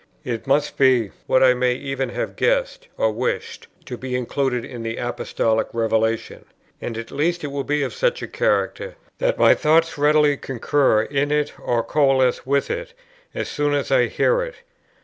It must be what I may even have guessed, or wished, to be included in the Apostolic revelation; and at least it will be of such a character, that my thoughts readily concur in it or coalesce with it, as soon as I hear it.